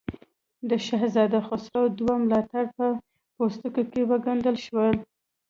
د شهزاده خسرو دوه ملاتړي په پوستکو کې وګنډل شول.